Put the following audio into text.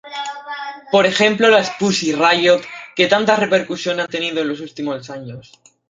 Por ejemplo las Pussy Riot, que tanta repercusión han tenido en los últimos años.